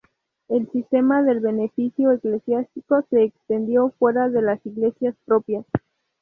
El sistema del beneficio eclesiástico se extendió fuera de las iglesias propias.